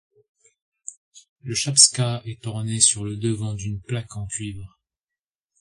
Le chapska est orné sur le devant d'une plaque en cuivre.